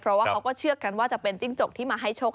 เพราะว่าเขาก็เชื่อกันว่าจะเป็นจิ้งจกที่มาให้โชค